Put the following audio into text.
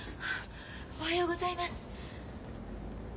おはようございます。